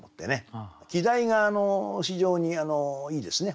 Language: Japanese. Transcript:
季題が非常にいいですね